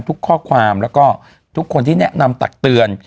ข้อความแล้วก็ทุกคนที่แนะนำตักเตือน